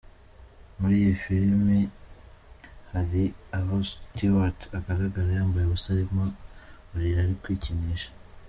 Muri iyi filime hari aho Stewart agaragara yambaye ubusa ku buriri ari kwikinisha.